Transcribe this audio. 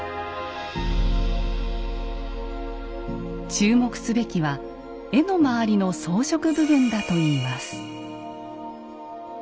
注目すべきは絵の周りの装飾部分だといいます。